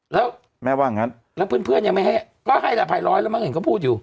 แล้วแม่ว่างั้นแล้วเพื่อนยังไม่ให้ก็ให้ละพันร้อยแล้วมั้งเห็นเขาพูดอยู่